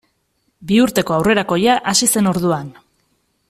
Biurteko aurrerakoia hasi zen orduan.